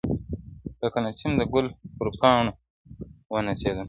• لکه نسیم د ګل پر پاڼوپانو ونڅېدم -